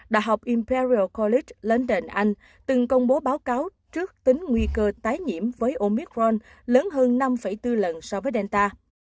đại học imperial college london từng công bố báo cáo trước tính nguy cơ tái nhiễm với omicron lớn hơn năm bốn lần so với delta